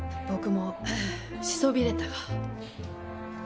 僕もしそびれたが。